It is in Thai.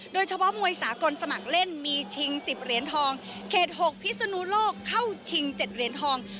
โดยเฉพาะมวยสากลสมัครเล่นมีชิง๑๐เหรียญทองเขต๖พิศนุโลกเข้าชิง๗เหรียญทอง